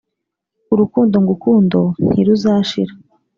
Urukundo ngukundo ntiruzashira